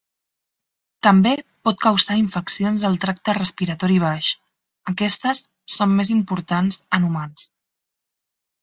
També pot causar infeccions del tracte respiratori baix, aquestes són més importants en humans.